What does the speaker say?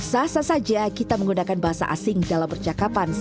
sah sah saja kita menggunakan bahasa asing dalam percakapan